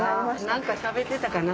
何かしゃべってたかな？